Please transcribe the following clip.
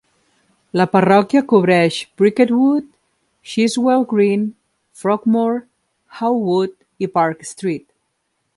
La parròquia cobreix Bricket Wood, Chiswell Green, Frogmore, How Wood i Park Street.